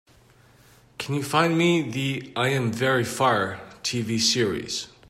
Can you find me the I Am Very Far TV series?